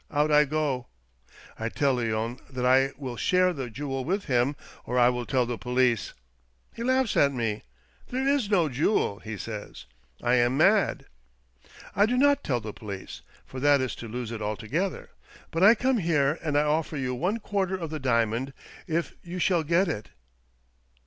out I go. I tell Leon that I will share the jewel with him or I will tell the police. He laughs at me — there is no jewel, he says — I am mad. I do not tell the police, for that is to lose it altogether. But I come here and I offer you one quarter of the diamond if you shall get it."